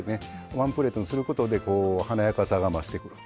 ワンプレートにすることで華やかさが増してくると。